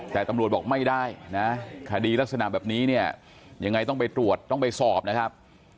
แต่ตำรวจบอกไม่ได้นะคดีลักษณะแบบนี้เนี่ยยังไงต้องไปตรวจต้องไปสอบนะครับ